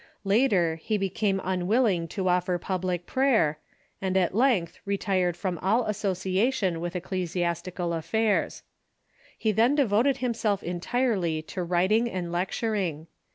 Later, he became un willing to offer public prayer, and at length retired from all association with ecclesiastical affairs. He then devoted him self entirely to writing and lecturing.